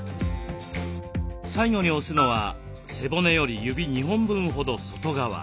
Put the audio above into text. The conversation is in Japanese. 最後に押すのは背骨より指２本分ほど外側。